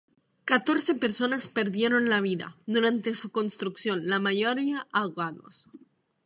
Catorce personas perdieron la vida durante su construcción, la mayoría ahogados.